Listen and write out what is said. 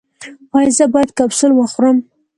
ایا زه باید کپسول وخورم؟